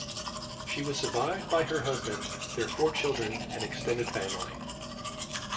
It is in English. She was survived by her husband, their four children and extended family.